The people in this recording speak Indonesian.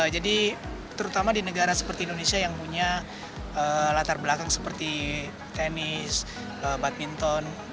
jadi terutama di negara seperti indonesia yang punya latar belakang seperti tenis badminton